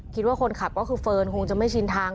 คิดว่าคนขับก็คือเฟิร์นคงจะไม่ชินทาง